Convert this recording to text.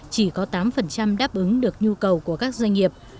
chỉ có tám đáp ứng được nhu cầu của các doanh nghiệp